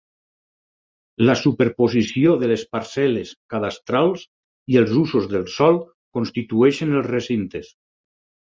La superposició de les parcel·les cadastrals i els usos del sòl constitueixen els recintes.